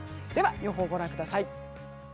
予報をご覧ください。